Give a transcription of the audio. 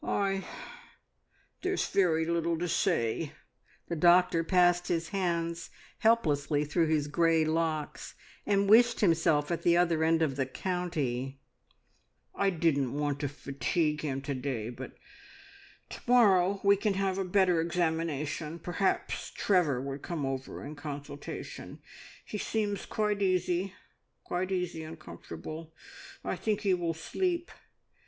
"I I there is very little to say!" The doctor passed his hands helplessly through his grey locks and wished himself at the other end of the county. "I didn't want to fatigue him to day, but to morrow we can have a better examination. Perhaps Trevor would come over in consultation. He seems quite easy quite easy and comfortable. I think he will sleep.